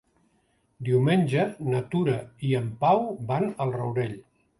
Diumenge na Tura i en Pau van al Rourell.